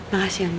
makasih ya mbak